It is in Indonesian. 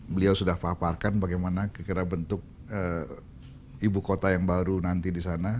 beliau sudah paparkan bagaimana kira kira bentuk ibu kota yang baru nanti di sana